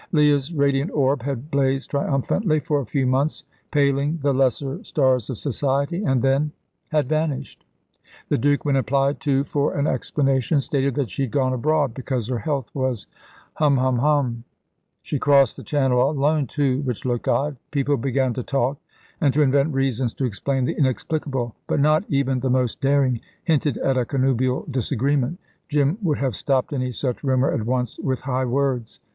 Leah's radiant orb had blazed triumphantly for a few months, paling the lesser stars of society, and then had vanished. The Duke, when applied to for an explanation, stated that she had gone abroad, because her health was hum hum hum. She crossed the Channel alone, too, which looked odd. People began to talk and to invent reasons to explain the inexplicable. But not even the most daring hinted at a connubial disagreement. Jim would have stopped any such rumour at once with high words.